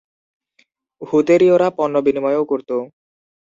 হুতেরীয়রা পণ্যবিনিময়ও করত।